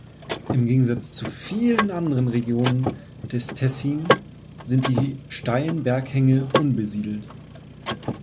Im Gegensatz zu vielen anderen Regionen des Tessin sind die steilen Berghänge unbesiedelt.